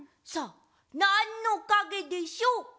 さあなんのかげでしょう？